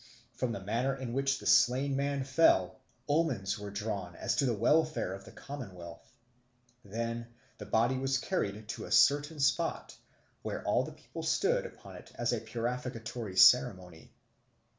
From the manner in which the slain man fell, omens were drawn as to the welfare of the commonwealth. Then the body was carried to a certain spot where all the people stood upon it as a purificatory ceremony.